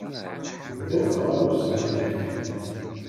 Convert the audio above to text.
Ddumt ɣer usegnaf.